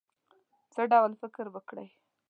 څه ډول فکر وکړی.